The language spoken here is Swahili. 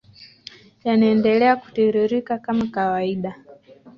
yanaendelea kutiririka kama kawaida